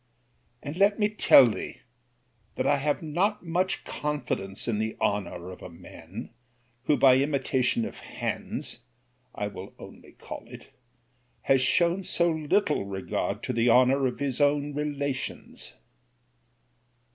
And let me tell thee, that I have not much confidence in the honour of a man, who by imitation of hands (I will only call it) has shown so little regard to the honour of his own relations.